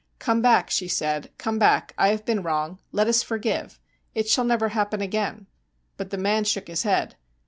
'Come back,' she said, 'come back. I have been wrong. Let us forgive. It shall never happen again.' But the man shook his head.